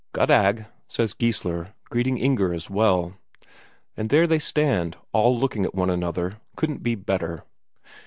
"Goddag," says Geissler, greeting Inger as well. And there they stand, all looking one at another couldn't be better....